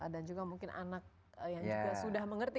dan juga mungkin anak yang sudah mengerti